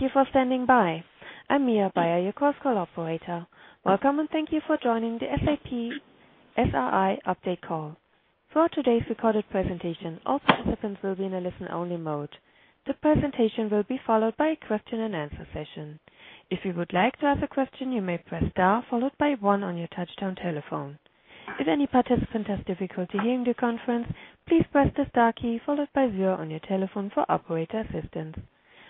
Thank you for standing by. I'm Mia Bayer, your Chorus Call operator. Welcome, and thank you for joining the SAP SRI Update Call. For today's recorded presentation, all participants will be in a listen-only mode. The presentation will be followed by a question and answer session. If you would like to ask a question, you may press star, followed by one on your touchtone telephone. If any participant has difficulty hearing the conference, please press the star key, followed by zero on your telephone for operator assistance.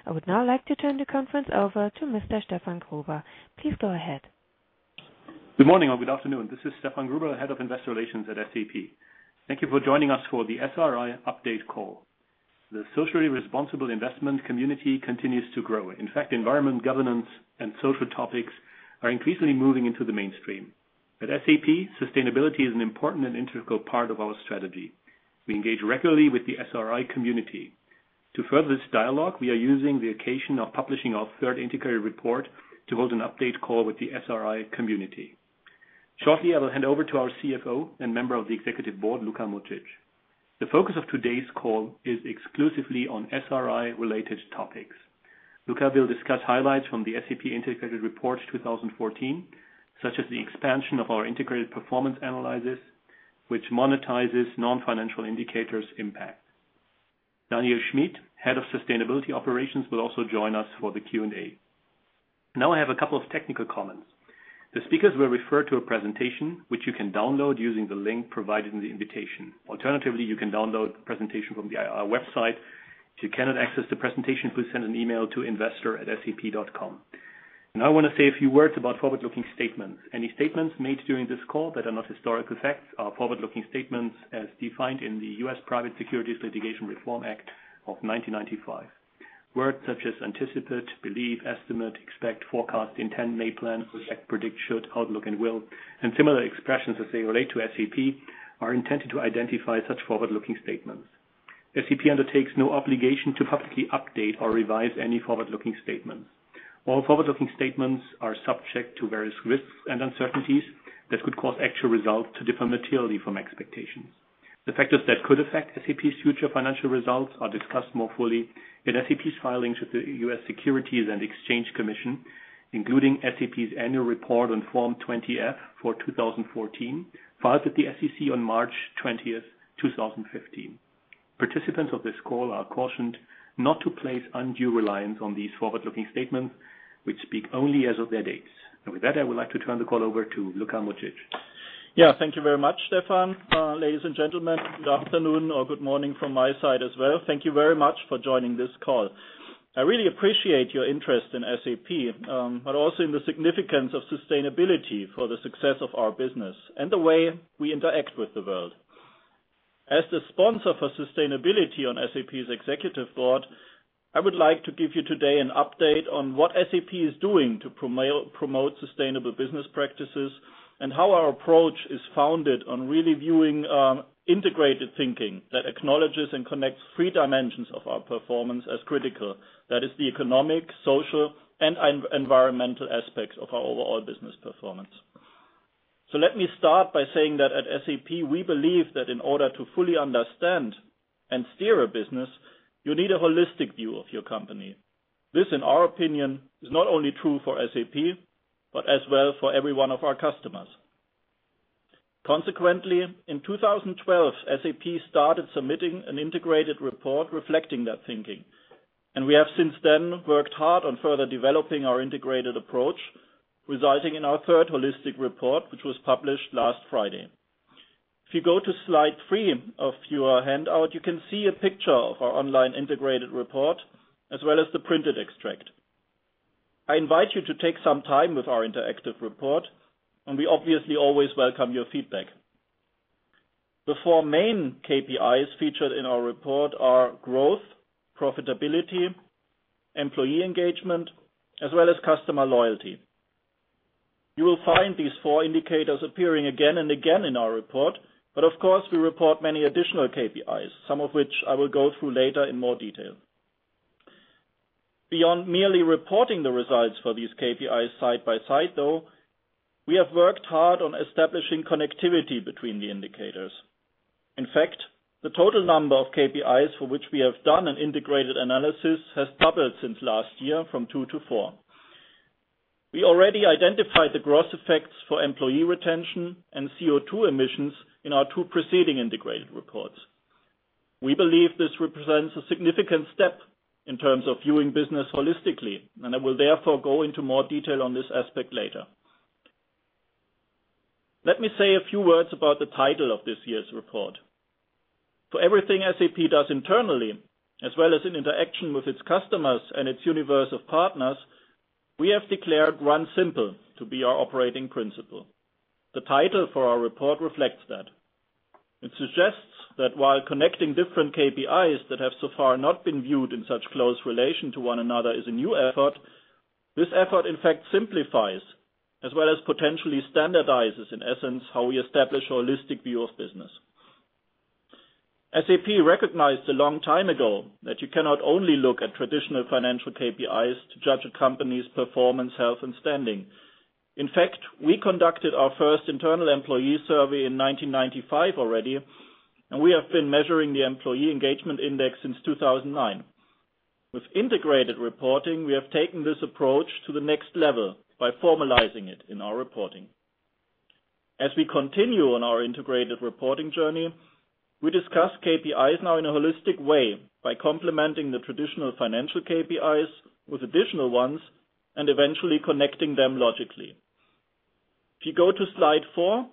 I would now like to turn the conference over to Mr. Stefan Gruber. Please go ahead. Good morning, or good afternoon. This is Stefan Gruber, Head of Investor Relations at SAP. Thank you for joining us for the SRI Update Call. The socially responsible investment community continues to grow. In fact, environment governance and social topics are increasingly moving into the mainstream. At SAP, sustainability is an important and integral part of our strategy. We engage regularly with the SRI community. To further this dialogue, we are using the occasion of publishing our third integrated report to hold an update call with the SRI community. Shortly, I will hand over to our CFO and member of the executive board, Luka Mucic. The focus of today's call is exclusively on SRI-related topics. Luka will discuss highlights from the SAP Integrated Report 2014, such as the expansion of our integrated performance analysis, which monetizes non-financial indicators impact. Daniel Schmid, Head of Sustainability Operations, will also join us for the Q&A. I have a couple of technical comments. The speakers will refer to a presentation, which you can download using the link provided in the invitation. Alternatively, you can download the presentation from our website. If you cannot access the presentation, please send an email to investor@sap.com. I want to say a few words about forward-looking statements. Any statements made during this call that are not historical facts are forward-looking statements as defined in the U.S. Private Securities Litigation Reform Act of 1995. Words such as anticipate, believe, estimate, expect, forecast, intend, may, plan, project, predict, should, outlook, and will, and similar expressions as they relate to SAP, are intended to identify such forward-looking statements. SAP undertakes no obligation to publicly update or revise any forward-looking statements. All forward-looking statements are subject to various risks and uncertainties that could cause actual results to differ materially from expectations. The factors that could affect SAP's future financial results are discussed more fully in SAP's filings with the U.S. Securities and Exchange Commission, including SAP's annual report on Form 20-F for 2014, filed with the SEC on March 20th 2015. Participants of this call are cautioned not to place undue reliance on these forward-looking statements, which speak only as of their dates. With that, I would like to turn the call over to Luka Mucic. Yeah. Thank you very much, Stefan. Ladies and gentlemen, good afternoon or good morning from my side as well. Thank you very much for joining this call. I really appreciate your interest in SAP, but also in the significance of sustainability for the success of our business and the way we interact with the world. As the sponsor for sustainability on SAP's executive board, I would like to give you today an update on what SAP is doing to promote sustainable business practices and how our approach is founded on really viewing integrated thinking that acknowledges and connects three dimensions of our performance as critical. That is the economic, social, and environmental aspects of our overall business performance. Let me start by saying that at SAP, we believe that in order to fully understand and steer a business, you need a holistic view of your company. This, in our opinion, is not only true for SAP, but as well for every one of our customers. Consequently, in 2012, SAP started submitting an integrated report reflecting that thinking, and we have since then worked hard on further developing our integrated approach, resulting in our third holistic report, which was published last Friday. If you go to slide three of your handout, you can see a picture of our online integrated report, as well as the printed extract. I invite you to take some time with our interactive report, and we obviously always welcome your feedback. The four main KPIs featured in our report are growth, profitability, employee engagement, as well as customer loyalty. You will find these four indicators appearing again and again in our report, but of course, we report many additional KPIs, some of which I will go through later in more detail. Beyond merely reporting the results for these KPIs side by side, though, we have worked hard on establishing connectivity between the indicators. In fact, the total number of KPIs for which we have done an integrated analysis has doubled since last year from two to four. We already identified the gross effects for employee retention and CO2 emissions in our two preceding integrated reports. We believe this represents a significant step in terms of viewing business holistically, and I will therefore go into more detail on this aspect later. Let me say a few words about the title of this year's report. For everything SAP does internally, as well as in interaction with its customers and its universe of partners, we have declared Run Simple to be our operating principle. The title for our report reflects that. It suggests that while connecting different KPIs that have so far not been viewed in such close relation to one another is a new effort, this effort, in fact, simplifies as well as potentially standardizes, in essence, how we establish a holistic view of business. SAP recognized a long time ago that you cannot only look at traditional financial KPIs to judge a company's performance, health, and standing. In fact, we conducted our first internal employee survey in 1995 already, and we have been measuring the Employee Engagement Index since 2009. With integrated reporting, we have taken this approach to the next level by formalizing it in our reporting. As we continue on our integrated reporting journey, we discuss KPIs now in a holistic way by complementing the traditional financial KPIs with additional ones, and eventually connecting them logically. If you go to slide four,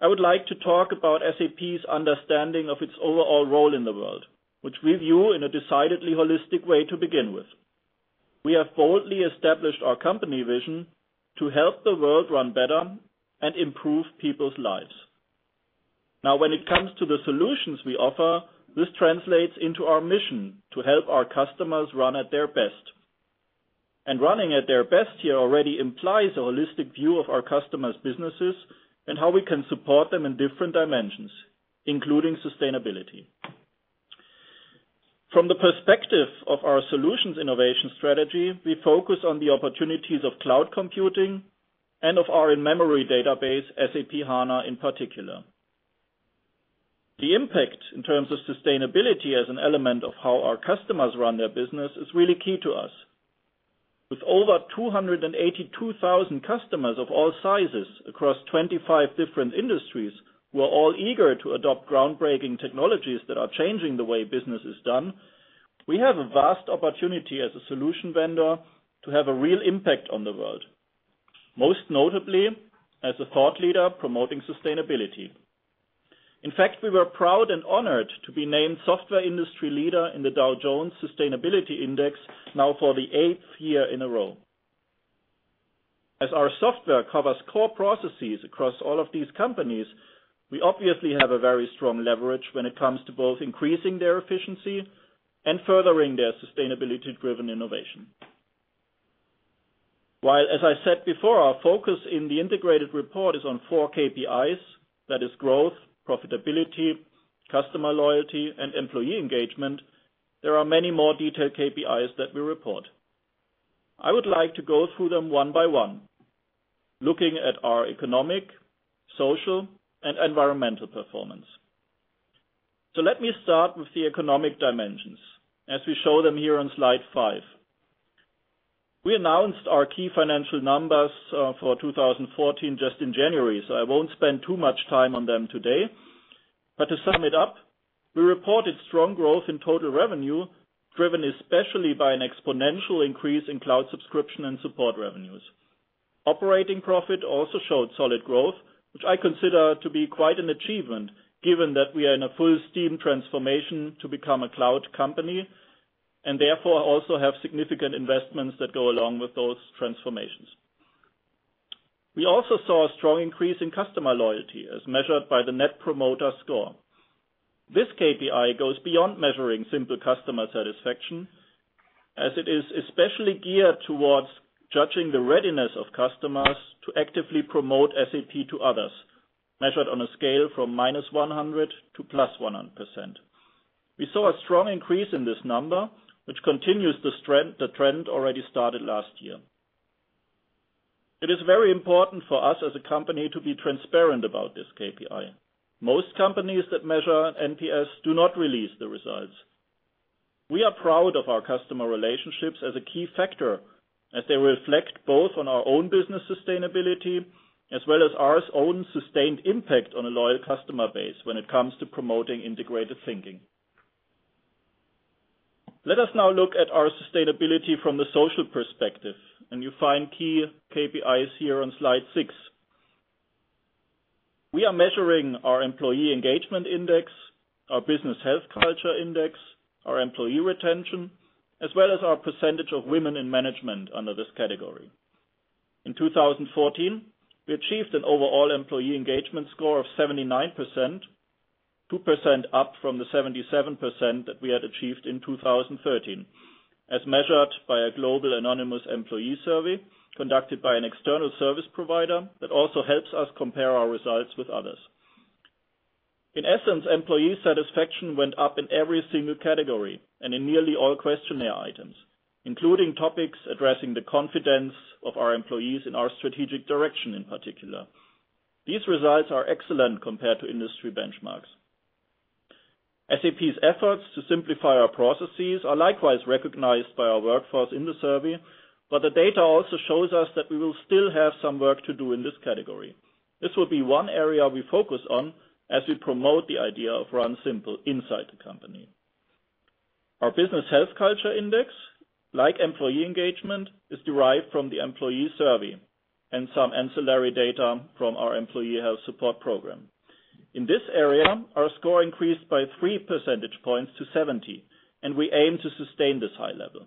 I would like to talk about SAP's understanding of its overall role in the world, which we view in a decidedly holistic way to begin with. We have boldly established our company vision to help the world run better and improve people's lives. When it comes to the solutions we offer, this translates into our mission to help our customers run at their best. Running at their best here already implies a holistic view of our customers' businesses and how we can support them in different dimensions, including sustainability. From the perspective of our solutions innovation strategy, we focus on the opportunities of cloud computing and of our in-memory database, SAP HANA, in particular. The impact in terms of sustainability as an element of how our customers run their business is really key to us. With over 282,000 customers of all sizes across 25 different industries, who are all eager to adopt groundbreaking technologies that are changing the way business is done, we have a vast opportunity as a solution vendor to have a real impact on the world, most notably as a thought leader promoting sustainability. In fact, we were proud and honored to be named software industry leader in the Dow Jones Sustainability Index now for the eighth year in a row. Our software covers core processes across all of these companies, we obviously have a very strong leverage when it comes to both increasing their efficiency and furthering their sustainability-driven innovation. As I said before, our focus in the integrated report is on four KPIs, that is growth, profitability, customer loyalty, and employee engagement, there are many more detailed KPIs that we report. I would like to go through them one by one, looking at our economic, social, and environmental performance. Let me start with the economic dimensions as we show them here on slide five. We announced our key financial numbers for 2014 just in January, I won't spend too much time on them today. To sum it up, we reported strong growth in total revenue, driven especially by an exponential increase in cloud subscription and support revenues. Operating profit also showed solid growth, which I consider to be quite an achievement given that we are in a full steam transformation to become a cloud company, therefore also have significant investments that go along with those transformations. We also saw a strong increase in customer loyalty as measured by the Net Promoter Score. This KPI goes beyond measuring simple customer satisfaction, as it is especially geared towards judging the readiness of customers to actively promote SAP to others, measured on a scale from -100% to +100%. We saw a strong increase in this number, which continues the trend already started last year. It is very important for us as a company to be transparent about this KPI. Most companies that measure NPS do not release the results. We are proud of our customer relationships as a key factor, as they reflect both on our own business sustainability as well as our own sustained impact on a loyal customer base when it comes to promoting integrated thinking. Let us now look at our sustainability from the social perspective, you find key KPIs here on slide six. We are measuring our Employee Engagement Index, our Business Health Culture Index, our employee retention, as well as our percentage of women in management under this category. In 2014, we achieved an overall employee engagement score of 79%, 2% up from the 77% that we had achieved in 2013, as measured by a global anonymous employee survey conducted by an external service provider that also helps us compare our results with others. In essence, employee satisfaction went up in every single category and in nearly all questionnaire items, including topics addressing the confidence of our employees in our strategic direction in particular. These results are excellent compared to industry benchmarks. SAP's efforts to simplify our processes are likewise recognized by our workforce in the survey. The data also shows us that we will still have some work to do in this category. This will be one area we focus on as we promote the idea of Run Simple inside the company. Our Business Health Culture Index, like employee engagement, is derived from the employee survey and some ancillary data from our employee health support program. In this area, our score increased by 3 percentage points to 70, and we aim to sustain this high level.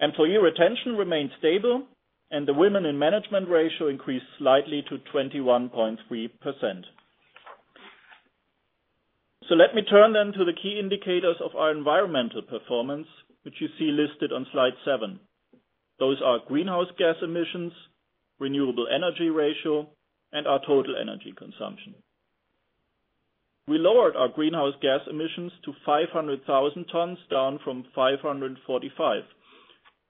Employee retention remained stable, and the women in management ratio increased slightly to 21.3%. Let me turn then to the key indicators of our environmental performance, which you see listed on slide seven. Those are greenhouse gas emissions, renewable energy ratio, and our total energy consumption. We lowered our greenhouse gas emissions to 500,000 tons, down from 545.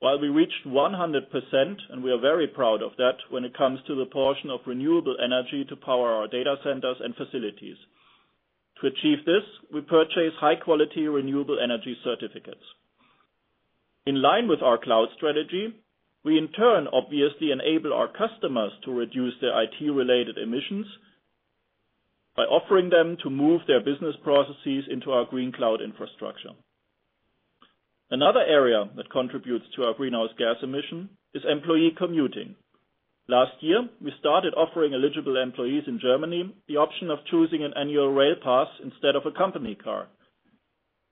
While we reached 100%, and we are very proud of that, when it comes to the portion of renewable energy to power our data centers and facilities. To achieve this, we purchase high-quality renewable energy certificates. In line with our cloud strategy, we in turn obviously enable our customers to reduce their IT-related emissions by offering them to move their business processes into our green cloud infrastructure. Another area that contributes to our greenhouse gas emission is employee commuting. Last year, we started offering eligible employees in Germany the option of choosing an annual rail pass instead of a company car.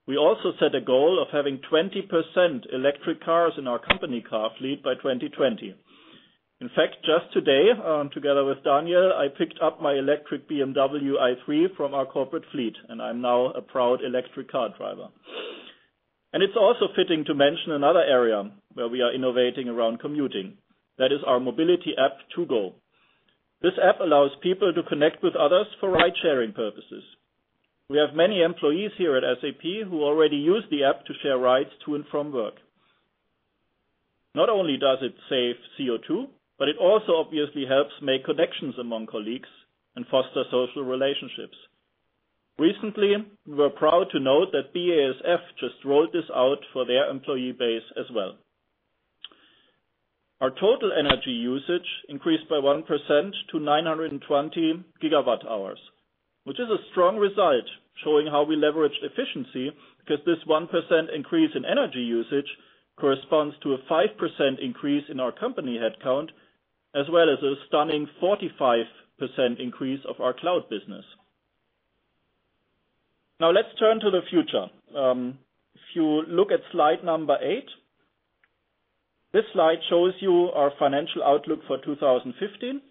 We also set a goal of having 20% electric cars in our company car fleet by 2020. In fact, just today, together with Daniel, I picked up my electric BMW i3 from our corporate fleet, and I'm now a proud electric car driver. It's also fitting to mention another area where we are innovating around commuting. That is our mobility app, TwoGo. This app allows people to connect with others for ride-sharing purposes. We have many employees here at SAP who already use the app to share rides to and from work. Not only does it save CO2, but it also obviously helps make connections among colleagues and foster social relationships. Recently, we were proud to note that BASF just rolled this out for their employee base as well. Our total energy usage increased by 1% to 920 gigawatt hours, which is a strong result, showing how we leveraged efficiency, because this 1% increase in energy usage corresponds to a 5% increase in our company headcount, as well as a stunning 45% increase of our cloud business. Let's turn to the future. If you look at slide number eight, this slide shows you our financial outlook for 2015,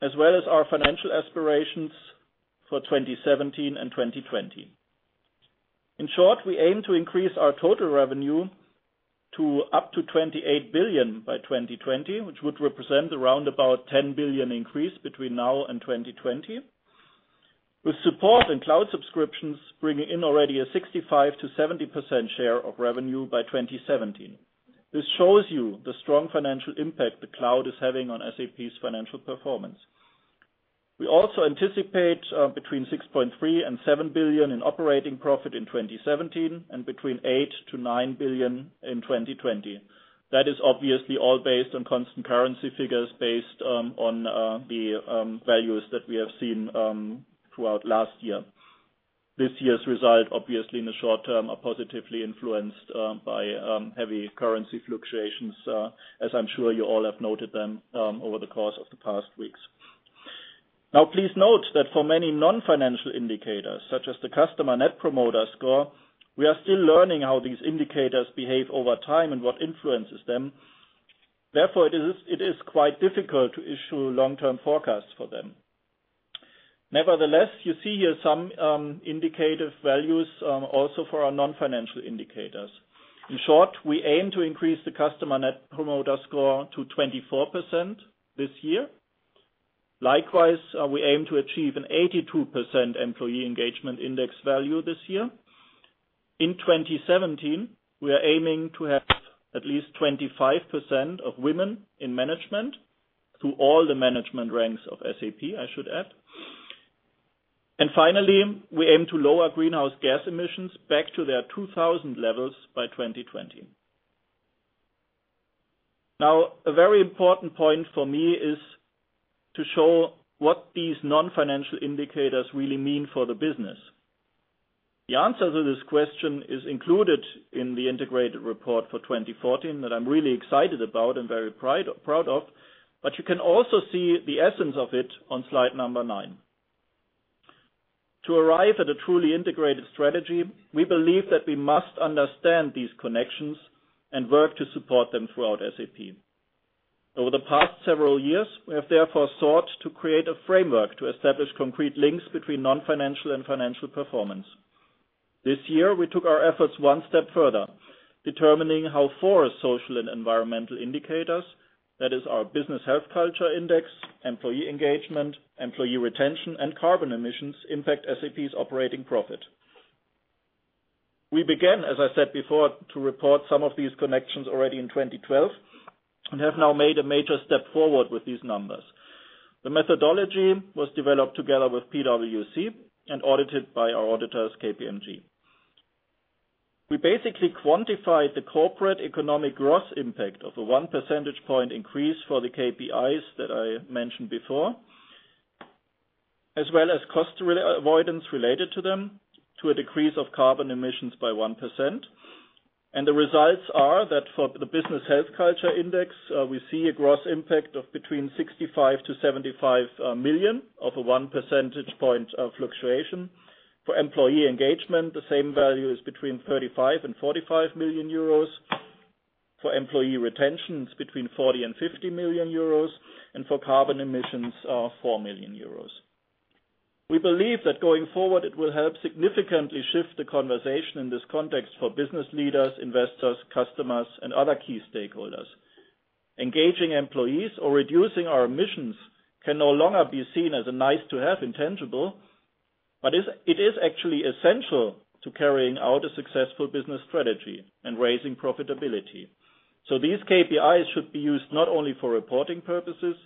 as well as our financial aspirations for 2017 and 2020. In short, we aim to increase our total revenue to up to 28 billion by 2020, which would represent around about 10 billion increase between now and 2020, with support and cloud subscriptions bringing in already a 65%-70% share of revenue by 2017. This shows you the strong financial impact the cloud is having on SAP's financial performance. We also anticipate between 6.3 billion and 7 billion in operating profit in 2017 and between 8 billion to 9 billion in 2020. That is obviously all based on constant currency figures based on the values that we have seen throughout last year. This year's result, obviously, in the short term, are positively influenced by heavy currency fluctuations, as I'm sure you all have noted them over the course of the past weeks. Please note that for many non-financial indicators, such as the customer Net Promoter Score, we are still learning how these indicators behave over time and what influences them. Therefore, it is quite difficult to issue long-term forecasts for them. Nevertheless, you see here some indicative values also for our non-financial indicators. In short, we aim to increase the customer Net Promoter Score to 24% this year. Likewise, we aim to achieve an 82% Employee Engagement Index value this year. In 2017, we are aiming to have at least 25% of women in management through all the management ranks of SAP, I should add. Finally, we aim to lower greenhouse gas emissions back to their 2000 levels by 2020. A very important point for me is to show what these non-financial indicators really mean for the business. The answer to this question is included in the integrated report for 2014 that I'm really excited about and very proud of, but you can also see the essence of it on slide number nine. To arrive at a truly integrated strategy, we believe that we must understand these connections and work to support them throughout SAP. Over the past several years, we have therefore sought to create a framework to establish concrete links between non-financial and financial performance. This year, we took our efforts one step further, determining how far social and environmental indicators, that is our Business Health Culture Index, Employee Engagement, employee retention, and carbon emissions, impact SAP's operating profit. We began, as I said before, to report some of these connections already in 2012 and have now made a major step forward with these numbers. The methodology was developed together with PwC and audited by our auditors, KPMG. We basically quantified the corporate economic gross impact of a one percentage point increase for the KPIs that I mentioned before, as well as cost avoidance related to them to a decrease of carbon emissions by 1%. The results are that for the Business Health Culture Index, we see a gross impact of between 65 million to 75 million of a one percentage point of fluctuation. For Employee Engagement, the same value is between 35 million and 45 million euros. For employee retention, it's between 40 million and 50 million euros, and for carbon emissions, 4 million euros. We believe that going forward, it will help significantly shift the conversation in this context for business leaders, investors, customers, and other key stakeholders. Engaging employees or reducing our emissions can no longer be seen as a nice-to-have intangible, but it is actually essential to carrying out a successful business strategy and raising profitability. These KPIs should be used not only for reporting purposes,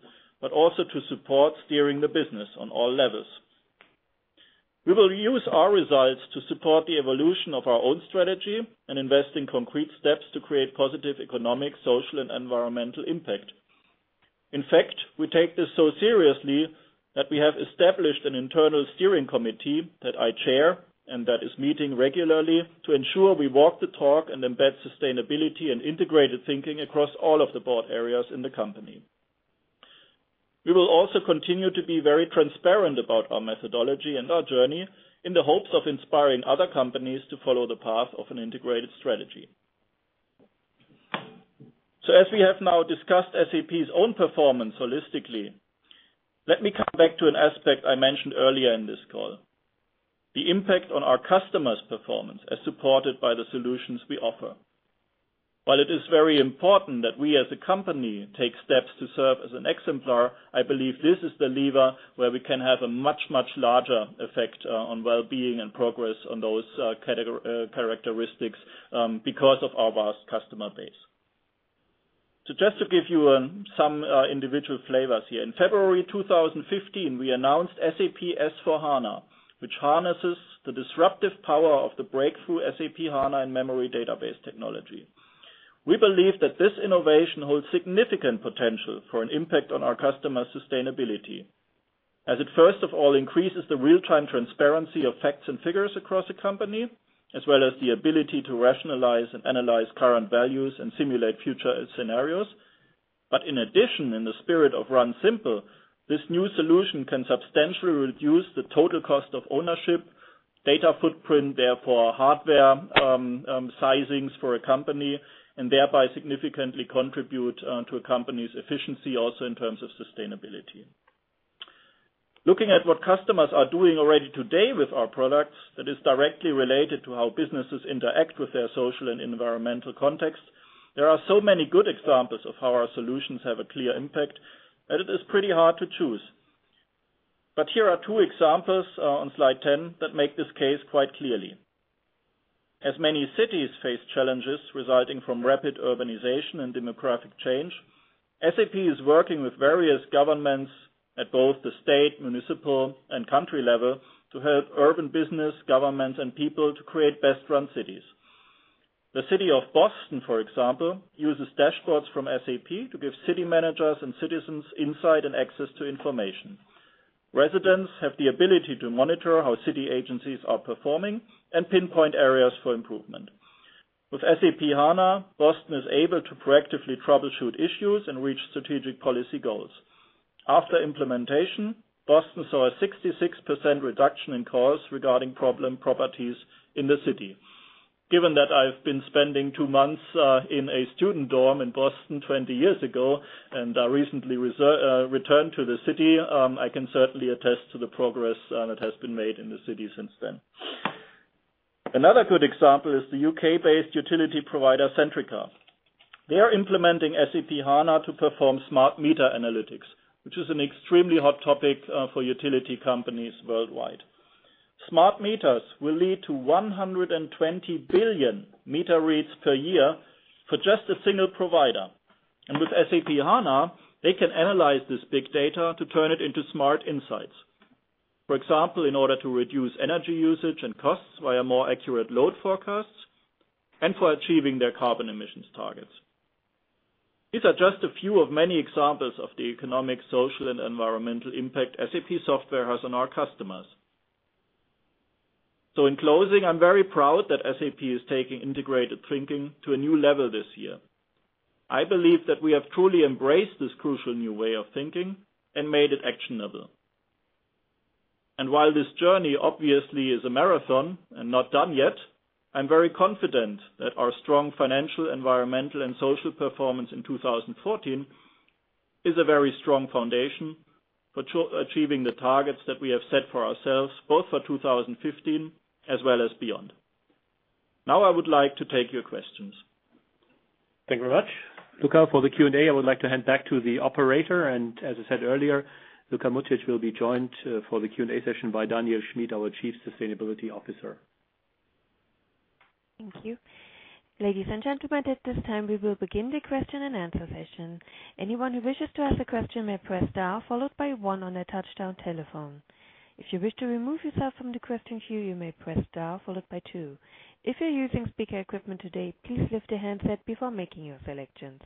but also to support steering the business on all levels. We will use our results to support the evolution of our own strategy and invest in concrete steps to create positive economic, social, and environmental impact. In fact, we take this so seriously that we have established an internal steering committee that I chair, and that is meeting regularly to ensure we walk the talk and embed sustainability and integrated thinking across all of the board areas in the company. We will also continue to be very transparent about our methodology and our journey in the hopes of inspiring other companies to follow the path of an integrated strategy. As we have now discussed SAP's own performance holistically, let me come back to an aspect I mentioned earlier in this call, the impact on our customers' performance as supported by the solutions we offer. While it is very important that we as a company take steps to serve as an exemplar, I believe this is the lever where we can have a much, much larger effect on well-being and progress on those characteristics because of our vast customer base. Just to give you some individual flavors here, in February 2015, we announced SAP S/4HANA, which harnesses the disruptive power of the breakthrough SAP HANA in-memory database technology. We believe that this innovation holds significant potential for an impact on our customers' sustainability, as it first of all increases the real-time transparency of facts and figures across a company, as well as the ability to rationalize and analyze current values and simulate future scenarios. In addition, in the spirit of Run Simple, this new solution can substantially reduce the total cost of ownership, data footprint, therefore hardware sizings for a company, and thereby significantly contribute to a company's efficiency also in terms of sustainability. Looking at what customers are doing already today with our products, that is directly related to how businesses interact with their social and environmental context. There are so many good examples of how our solutions have a clear impact that it is pretty hard to choose. Here are two examples on slide 10 that make this case quite clearly. As many cities face challenges resulting from rapid urbanization and demographic change, SAP is working with various governments at both the state, municipal, and country level to help urban business, governments, and people to create best-run cities. The city of Boston, for example, uses dashboards from SAP to give city managers and citizens insight and access to information. Residents have the ability to monitor how city agencies are performing and pinpoint areas for improvement. With SAP HANA, Boston is able to proactively troubleshoot issues and reach strategic policy goals. After implementation, Boston saw a 66% reduction in calls regarding problem properties in the city. Given that I've been spending two months in a student dorm in Boston 20 years ago, and I recently returned to the city, I can certainly attest to the progress that has been made in the city since then. Another good example is the U.K.-based utility provider, Centrica. They are implementing SAP HANA to perform smart meter analytics, which is an extremely hot topic for utility companies worldwide. Smart meters will lead to 120 billion meter reads per year for just a single provider. With SAP HANA, they can analyze this big data to turn it into smart insights. For example, in order to reduce energy usage and costs via more accurate load forecasts, and for achieving their carbon emissions targets. These are just a few of many examples of the economic, social, and environmental impact SAP software has on our customers. In closing, I'm very proud that SAP is taking integrated thinking to a new level this year. I believe that we have truly embraced this crucial new way of thinking and made it actionable. While this journey obviously is a marathon and not done yet, I'm very confident that our strong financial, environmental, and social performance in 2014 is a very strong foundation for achieving the targets that we have set for ourselves, both for 2015 as well as beyond. Now I would like to take your questions. Thank you very much. Luka, for the Q&A, I would like to hand back to the operator, and as I said earlier, Luka Mucic will be joined for the Q&A session by Daniel Schmid, our Chief Sustainability Officer. Thank you. Ladies and gentlemen, at this time we will begin the question and answer session. Anyone who wishes to ask a question may press star followed by one on a touchtone telephone. If you wish to remove yourself from the question queue, you may press star followed by two. If you're using speaker equipment today, please lift the handset before making your selections.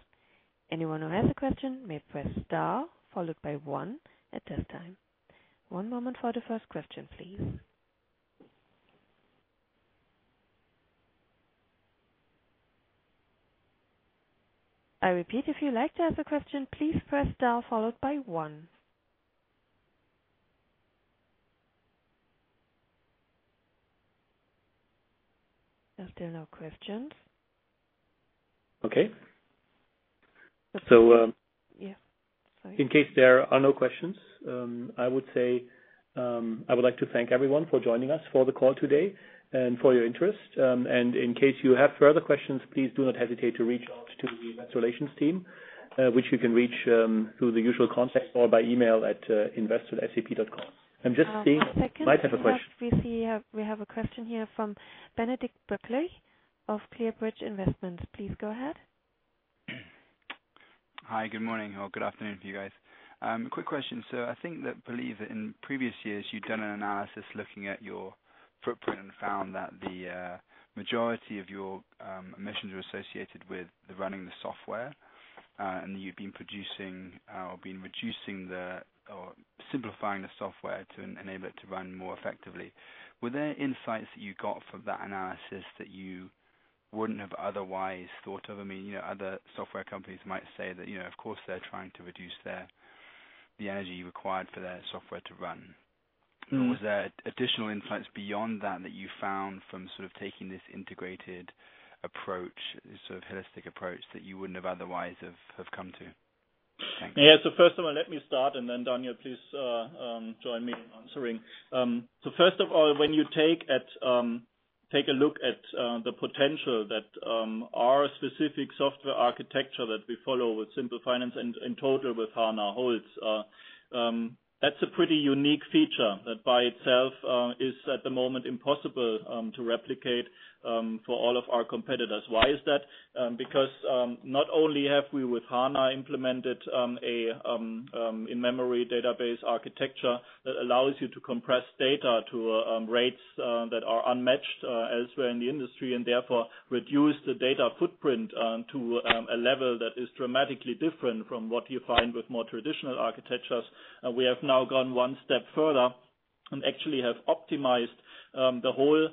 Anyone who has a question may press star followed by one at this time. One moment for the first question, please. I repeat, if you'd like to ask a question, please press star followed by one. There are still no questions. Okay. Yeah In case there are no questions, I would like to thank everyone for joining us for the call today and for your interest. In case you have further questions, please do not hesitate to reach out to the investor relations team, which you can reach through the usual contacts or by email at investor@sap.com. One second. might have a question. We have a question here from Benedict Buckley of ClearBridge Investments. Please go ahead. Hi, good morning or good afternoon to you guys. Quick question. I believe that in previous years you'd done an analysis looking at your footprint and found that the majority of your emissions were associated with running the software, and that you've been reducing or simplifying the software to enable it to run more effectively. Were there insights that you got from that analysis that you wouldn't have otherwise thought of? Other software companies might say that, of course, they're trying to reduce the energy required for their software to run. Was there additional insights beyond that you found from sort of taking this integrated approach, this sort of holistic approach, that you wouldn't have otherwise have come to? Thanks. Yeah. First of all, let me start and Daniel, please join me in answering. First of all, when you take a look at the potential that our specific software architecture that we follow with SAP Simple Finance and in total with HANA holds, that's a pretty unique feature that by itself is at the moment impossible to replicate for all of our competitors. Why is that? Because not only have we with HANA implemented an in-memory database architecture that allows you to compress data to rates that are unmatched elsewhere in the industry, and therefore reduce the data footprint to a level that is dramatically different from what you find with more traditional architectures. We have now gone one step further and actually have optimized the whole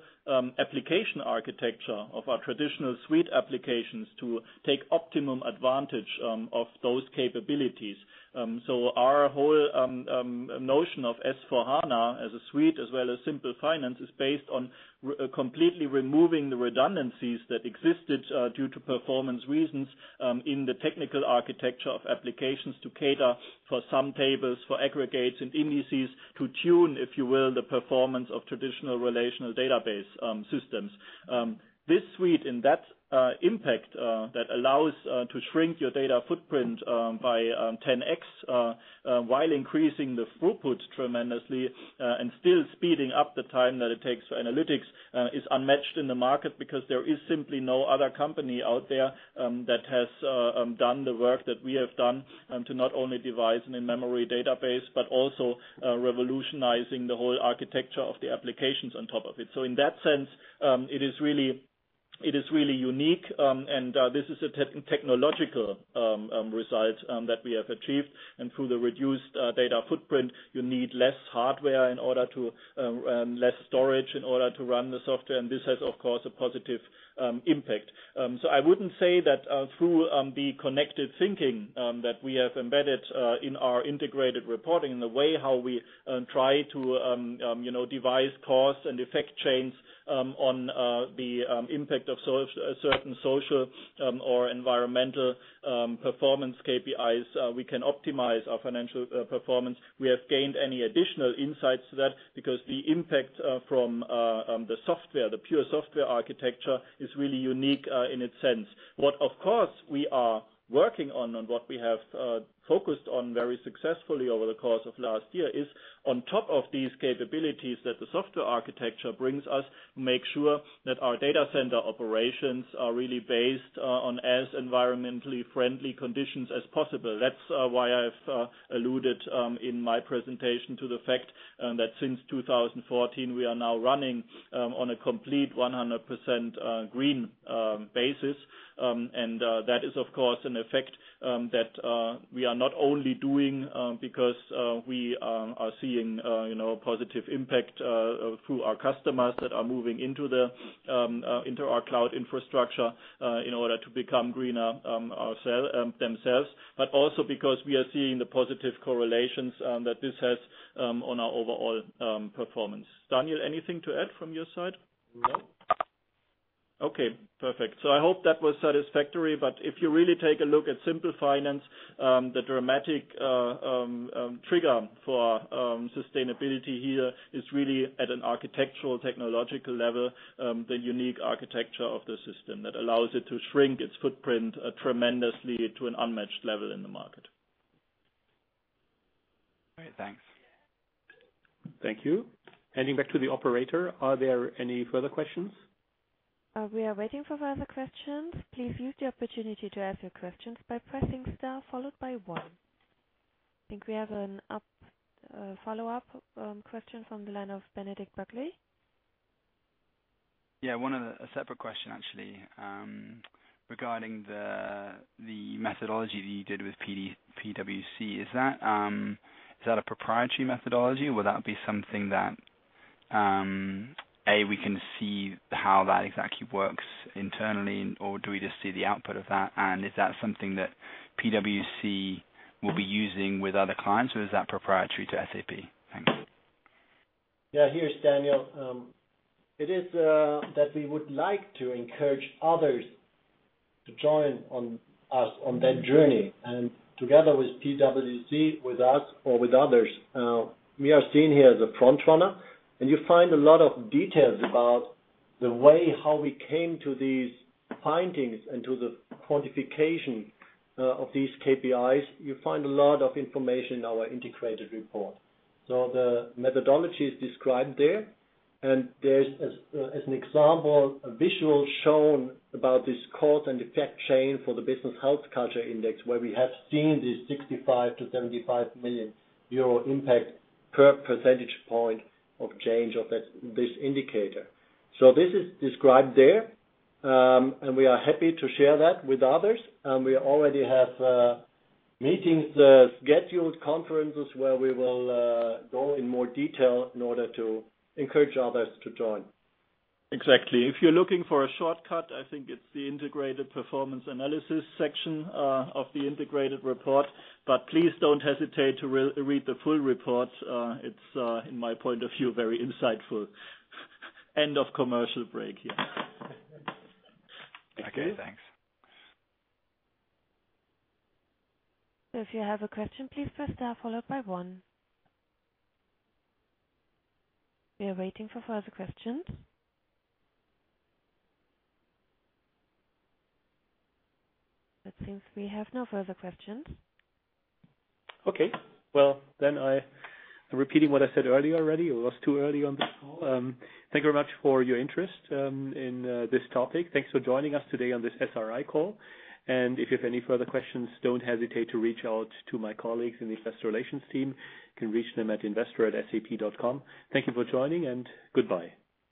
application architecture of our traditional suite applications to take optimum advantage of those capabilities. Our whole notion of S/4HANA as a suite as well as Simple Finance is based on completely removing the redundancies that existed due to performance reasons in the technical architecture of applications to cater for some tables, for aggregates and indices to tune, if you will, the performance of traditional relational database systems. This suite and that impact that allows to shrink your data footprint by 10x while increasing the throughput tremendously and still speeding up the time that it takes for analytics is unmatched in the market because there is simply no other company out there that has done the work that we have done to not only devise an in-memory database, but also revolutionizing the whole architecture of the applications on top of it. In that sense, it is really unique. This is a technological result that we have achieved. Through the reduced data footprint, you need less hardware and less storage in order to run the software. This has, of course, a positive impact. I wouldn't say that through the connected thinking that we have embedded in our integrated reporting in the way how we try to devise cause and effect chains on the impact of certain social or environmental performance KPIs, we can optimize our financial performance. We have gained any additional insights to that because the impact from the software, the pure software architecture, is really unique in its sense. What, of course, we are working on, and what we have focused on very successfully over the course of last year is on top of these capabilities that the software architecture brings us, make sure that our data center operations are really based on as environmentally friendly conditions as possible. That's why I've alluded in my presentation to the fact that since 2014, we are now running on a complete 100% green basis. That is, of course, an effect that we are not only doing because we are seeing a positive impact through our customers that are moving into our cloud infrastructure in order to become greener themselves, but also because we are seeing the positive correlations that this has on our overall performance. Daniel, anything to add from your side? No. Okay, perfect. I hope that was satisfactory, but if you really take a look at Simple Finance, the dramatic trigger for sustainability here is really at an architectural, technological level, the unique architecture of the system that allows it to shrink its footprint tremendously to an unmatched level in the market. All right. Thanks. Thank you. Handing back to the operator. Are there any further questions? We are waiting for further questions. Please use the opportunity to ask your questions by pressing star followed by one. I think we have a follow-up question from the line of Benedict Buckley. Yeah, a separate question, actually, regarding the methodology that you did with PwC. Is that a proprietary methodology or would that be something that, A, we can see how that exactly works internally, or do we just see the output of that? Is that something that PwC will be using with other clients, or is that proprietary to SAP? Thanks. Yeah. Here is Daniel. It is that we would like to encourage others to join us on that journey, and together with PwC, with us, or with others. We are seen here as a front runner, and you find a lot of details about the way how we came to these findings and to the quantification of these KPIs. You find a lot of information in our integrated report. The methodology is described there, and there's, as an example, a visual shown about this cause and effect chain for the Business Health Culture Index, where we have seen this 65 million-75 million euro impact per percentage point of change of this indicator. This is described there, and we are happy to share that with others. We already have meetings scheduled, conferences where we will go in more detail in order to encourage others to join. Exactly. If you're looking for a shortcut, I think it's the Integrated Performance Management section of the integrated report. Please don't hesitate to read the full report. It's, in my point of view, very insightful. End of commercial break here. Okay, thanks. If you have a question, please press star followed by one. We are waiting for further questions. It seems we have no further questions. Okay. Well, then I am repeating what I said earlier already. It was too early on this call. Thank you very much for your interest in this topic. Thanks for joining us today on this SRI call, and if you have any further questions, don't hesitate to reach out to my colleagues in the investor relations team. You can reach them at investor@sap.com. Thank you for joining, and goodbye.